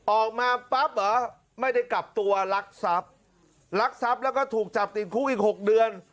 ออกมาปั๊บเหรอไม่ได้กลับตัวลักทรัพย์ลักทรัพย์แล้วก็ถูกจับติดคุกอีก๖เดือน